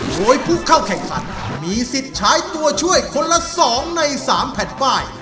โดยผู้เข้าแข่งขันมีสิทธิ์ใช้ตัวช่วยคนละ๒ใน๓แผ่นป้าย